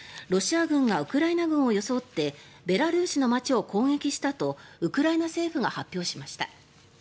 ロシア軍がウクライナ軍を装ってベラルーシの街を攻撃したとウクライナ政府が発表しました。